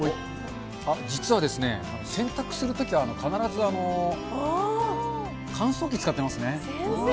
実はですね、洗濯するときは必ず乾燥機使ってますね。